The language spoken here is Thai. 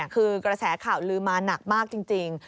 คือกระแสข่าวลืมมาหนักมากจริง